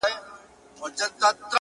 زور او زير مي ستا په لاس کي وليدی;